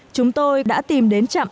chúng tôi đã tìm đến trạm